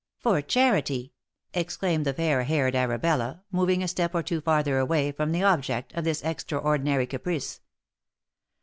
For charity !" exclaimed the fair haired Arabella, moving a step or two farther away from the object of this extraordinary caprice.